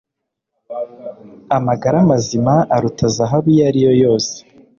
amagara mazima aruta zahabu iyo ari yo yose